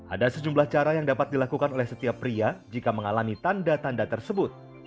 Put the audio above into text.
ada sejumlah cara yang dapat dilakukan oleh setiap pria jika mengalami tanda tanda tersebut